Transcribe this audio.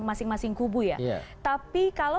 masing masing kubu ya tapi kalau